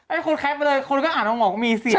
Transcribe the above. ไอ้คนแคปไปเลยคนก็อ่านออก